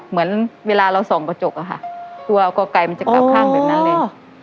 เหมือนเวลาเราส่องกระจกอะค่ะกลัวก่อไก่มันจะกลับข้างแบบนั้นเลย